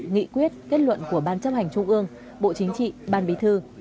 nghị quyết kết luận của ban chấp hành trung ương bộ chính trị ban bí thư